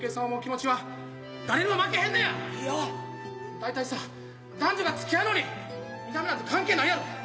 大体さ男女がつきあうのに見た目なんて関係ないやろ。